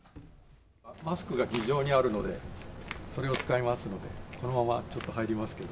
マスクが議場にあるのでそれを使いますので、このままちょっと入りますけど。